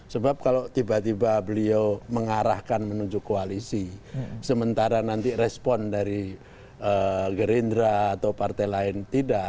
sebab kalau tiba tiba beliau mengarahkan menuju koalisi sementara nanti respon dari gerindra atau partai lain tidak